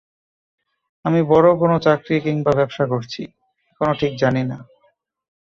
আমি বড় কোনো চাকরি কিংবা ব্যবসা করছি, এখনো ঠিক জানি না।